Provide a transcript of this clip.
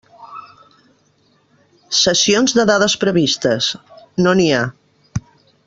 Cessions de dades previstes: no n'hi ha.